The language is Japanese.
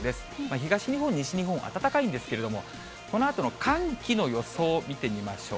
東日本、西日本、暖かいんですけれども、このあとの寒気の予想見てみましょう。